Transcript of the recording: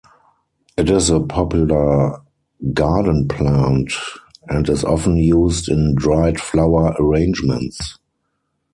It is a popular garden plant and is often used in dried flower arrangements.